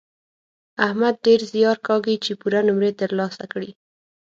احمد ډېر زیار کاږي چې پوره نومرې تر لاسه کړي.